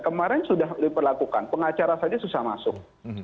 kemarin sudah diperlakukan pengacara saja susah masuk